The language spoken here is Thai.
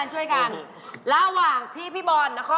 ขี้เก่งกันอย่างไรน่ะ